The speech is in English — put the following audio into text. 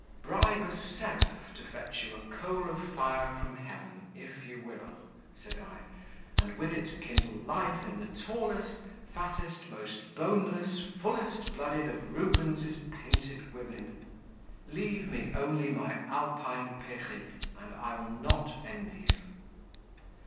"Bribe a seraph to fetch you a coal of fire from heaven, if you will," said I, "and with it kindle life in the tallest, fattest, most boneless, fullest blooded of Ruben's painted women leave me only my Alpine peri, and I'll not envy you."